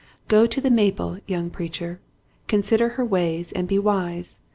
Go to the Maple, young preacher, consider her ways and be wise.